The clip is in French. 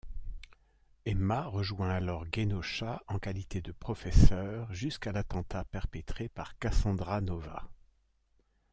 Emma rejoint alors Genosha en qualité de professeur jusqu'à l'attentat perpétré par Cassandra Nova.